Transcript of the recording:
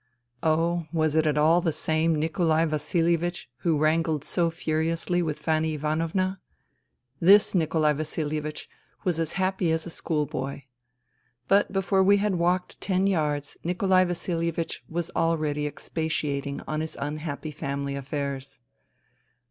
... Oh, was it at all the same Nikolai Vasilievich who wrangled so furiously with Fanny Ivanovna ? This Nikolai VasiHevich was as happy as a school boy. But before we had walked ten yards Nikolai Vasilievich was already expatiating on his unhappy family affairs.